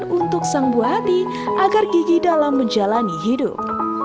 dan untuk sang buah hati agar gigi dalam menjalani hidup